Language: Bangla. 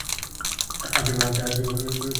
আজ তারা নেই।